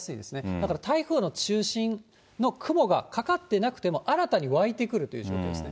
だから台風の中心の雲がかかってなくても、新たに湧いてくるという状況です。